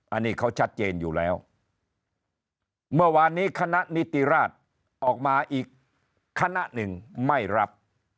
อันนี้เขาชัดเจนอยู่แล้วเมื่อวานนี้คณะนิติราชออกมาอีกคณะหนึ่งไม่รับ